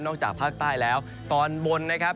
จากภาคใต้แล้วตอนบนนะครับ